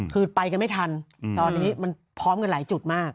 คือไปกันไม่ทันตอนนี้มันพร้อมกันหลายจุดมาก